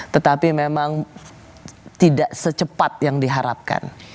tetapi memang tidak secepat yang diharapkan